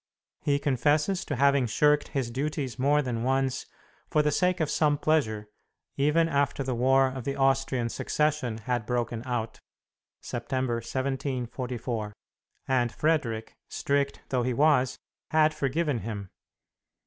He confesses to having shirked his duties more than once for the sake of some pleasure, even after the War of the Austrian Succession had broken out (September, 1744), and Frederic, strict though he was, had forgiven him.